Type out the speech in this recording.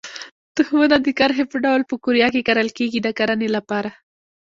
تخمونه د کرښې په ډول په قوریه کې کرل کېږي د کرنې لپاره.